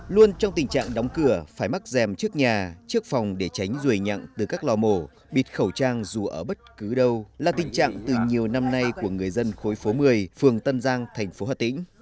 luôn trong tình trạng đóng cửa phải mắc dèm trước nhà trước phòng để tránh rùi nhặng từ các lò mổ bịt khẩu trang dù ở bất cứ đâu là tình trạng từ nhiều năm nay của người dân khối phố một mươi phường tân giang thành phố hà tĩnh